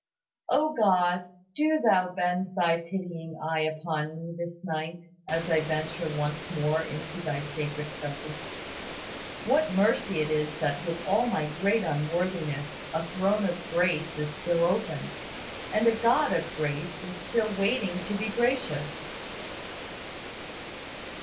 O God! do Thou bend Thy pitying eye upon me this night, as I venture once more into Thy sacred presence. What mercy it is that, with all my great unworthiness, a throne of grace is still open, and a God of grace is still waiting to be gracious!